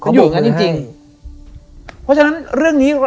เพราะฉะนั้นเรื่องนี้